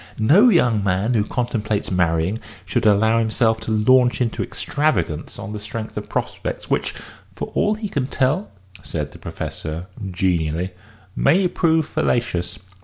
"No young man who contemplates marrying should allow himself to launch into extravagance on the strength of prospects which, for all he can tell," said the Professor, genially, "may prove fallacious.